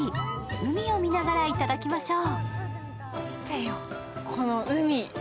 海を見ながらいただきましょう。